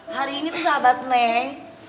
hari ini tuh sahabat mei